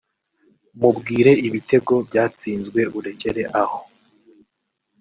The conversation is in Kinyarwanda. mubwire ibitego byatsinzwe urekere aho